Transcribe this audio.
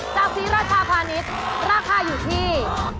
ตั้งที่ราคาพาณิชย์ราคาอยู่ที่